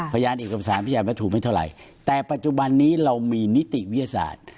พยานเอกสารพยานวัตถุไม่เท่าไหร่แต่ปัจจุบันนี้เรามีนิติวิทยาศาสตร์